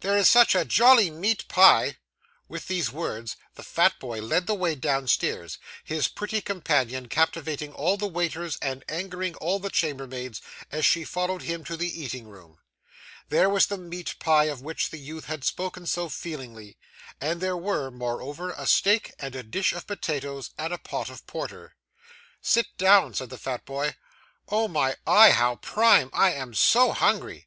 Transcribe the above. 'There is such a jolly meat pie!' With these words, the fat boy led the way downstairs; his pretty companion captivating all the waiters and angering all the chambermaids as she followed him to the eating room. There was the meat pie of which the youth had spoken so feelingly, and there were, moreover, a steak, and a dish of potatoes, and a pot of porter. 'Sit down,' said the fat boy. 'Oh, my eye, how prime! I am so hungry.